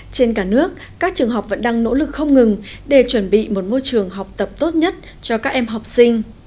trên cả nước các trường học vẫn đang nỗ lực không ngừng để chuẩn bị một môi trường học tập tốt nhất cho các em học sinh